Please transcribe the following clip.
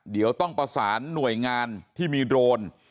เดี๋ยวต้องประสานหน่วยงานที่มีโดรน